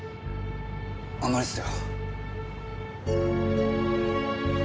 あんまりっすよ。